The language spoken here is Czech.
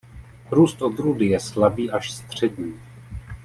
Růst odrůdy je slabý až střední.